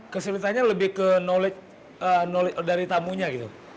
kesulitan lebih dari pengetahuan tamu